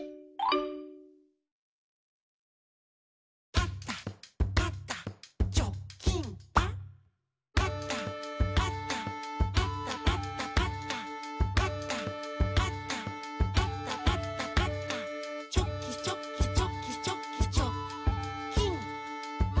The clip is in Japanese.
「パタパタパタパタパタ」「パタパタパタパタパタ」「チョキチョキチョキチョキチョッキン！」